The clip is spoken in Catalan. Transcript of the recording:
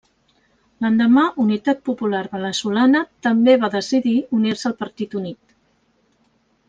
L'endemà Unitat Popular Veneçolana també va decidir unir-se al Partit Unit.